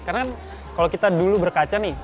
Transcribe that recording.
karena kalau kita dulu berkaca nih